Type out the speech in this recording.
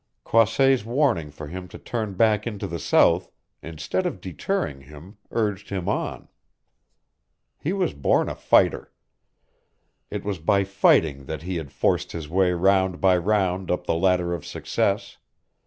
Croisset's warning for him to turn back into the South, instead of deterring him, urged him on. He was born a fighter. It was by fighting that he had forced his way round by round up the ladder of success.